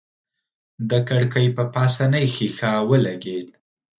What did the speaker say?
د کړکۍ په پاسنۍ ښيښه ولګېد.